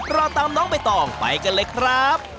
เราตามน้องใบตองไปกันเลยครับ